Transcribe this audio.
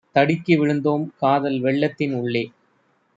தடுக்கிவிழுந் தோம்காதல் வெள்ளத்தின் உள்ளே!